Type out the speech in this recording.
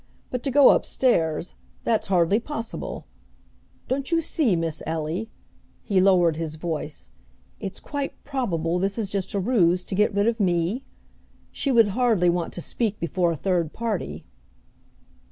But to go up stairs, that's hardly possible! Don't you see, Miss Ellie," he lowered his voice, "it's quite probable this is just a ruse to get rid of me? She would hardly want to speak before a third party."